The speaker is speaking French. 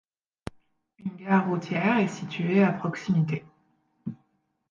Une gare routière est situé à proximité.